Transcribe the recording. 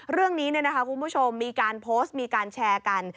เรื่องนี้นะคะคุณผู้ชมมีการโพสต์มีการแชร์กัน